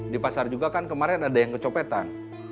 di pasar juga kan kemarin ada yang kecopetan